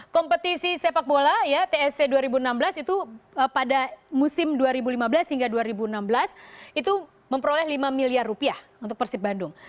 kompetisi sepak bola ya tsc dua ribu enam belas itu pada musim dua ribu lima belas hingga dua ribu enam belas itu memperoleh lima miliar rupiah untuk persib bandung